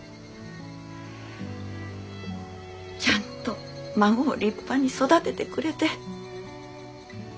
ちゃんと孫を立派に育ててくれて。